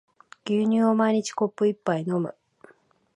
牛乳を毎日コップ一杯飲む